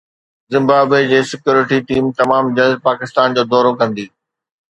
Zimbabwe جي security team تمام جلد پاڪستان جو دورو ڪندي